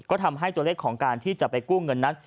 ก็ทำให้ตัวเลขของการที่จะไปกู้เงินนั้น